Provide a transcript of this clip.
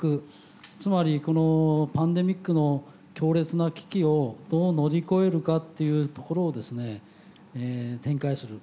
つまりこのパンデミックの強烈な危機をどう乗り越えるかっていうところをですね展開する。